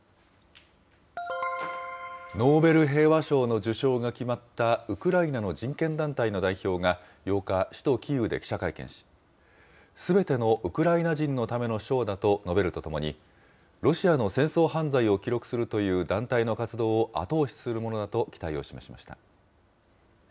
ノーベル平和賞の受賞が決まったウクライナの人権団体の代表が８日、首都キーウで記者会見し、すべてのウクライナ人のための賞だと述べるとともに、ロシアの戦争犯罪を記録するという団体の活動を後押しするものだと期待を示しました。